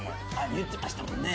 言ってましたもんね。